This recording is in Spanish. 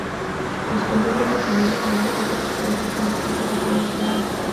Las pendientes empinadas y las rocas verticales están descritos en primer plano.